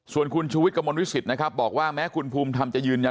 ส่วนคุณชูวิทย์กระมวลวิสิตนะครับบอกว่าแม้คุณภูมิธรรมจะยืนยัน